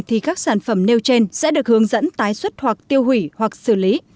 thì các sản phẩm nêu trên sẽ được hướng dẫn tái xuất hoặc tiêu hủy hoặc xử lý